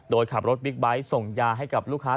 โดยขับรถบิ๊กไบท์ส่งยาให้กับลูกค้า